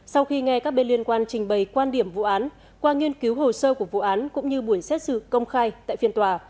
sau khi nghe các bên liên quan trình bày quan điểm vụ án qua nghiên cứu hồ sơ của vụ án cũng như buổi xét xử công khai tại phiên tòa